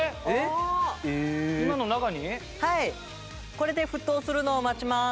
これで沸騰するのを待ちます。